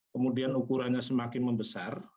kemudian ukurannya semakin membesar